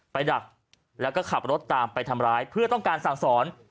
ดักแล้วก็ขับรถตามไปทำร้ายเพื่อต้องการสั่งสอน